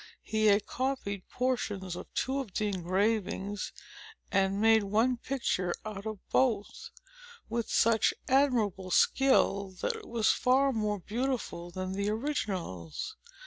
He had copied portions of two of the engravings, and made one picture out of both, with such admirable skill that it was far more beautiful than the originals.